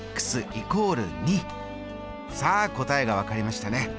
さあ答えが分かりましたね。